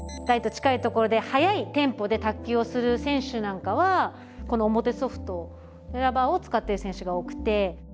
台と近い所で速いテンポで卓球をする選手なんかはこの表ソフトラバーを使っている選手が多くて。